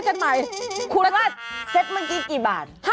คุณลักษณ์เซตเมื่อกี้กี่บาท